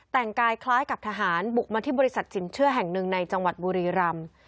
แต่งกายคล้ายกับทหารบุกมาที่บริษัทสินเชื่อแห่งหนึ่งในจังหวัดบุรีรำ